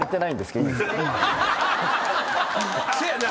せやな。